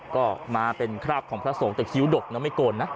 ก็มาเป็นคราบของพระสงฆ์แต่คิ้วดกนะไม่โกนนะ